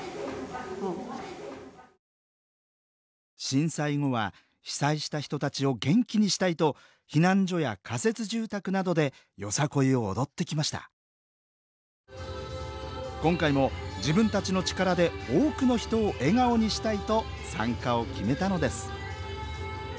震災後は被災した人たちを元気にしたいと今回も自分たちの力で多くの人を笑顔にしたいと参加を決めたのです